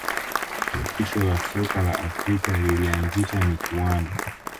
shirikisho la soka la afrika lilianzisha michuano